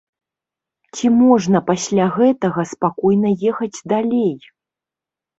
Ці можна пасля гэтага спакойна ехаць далей?